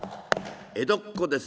江戸っ子です。